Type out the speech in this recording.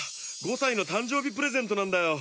５さいのたんじょうびプレゼントなんだよ！